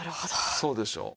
そうでしょう。